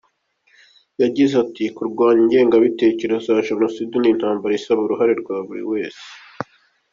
Yagize ati “Kurwanya ingengabitekerezo ya Jenoside, ni intambara isaba uruhare rwa buri wese.